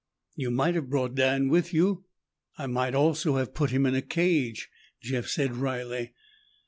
"You might have brought Dan with you." "I might also have put him in a cage," Jeff said wryly.